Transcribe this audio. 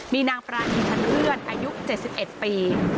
มีนางประอิทธิ์ท่านเพื่อนอายุเจ็ดสิบเอ็ดปี